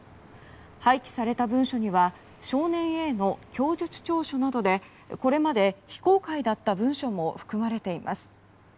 廃棄された文書には少年Ａの供述調書などでこれまで非公開だった文書も含まれています。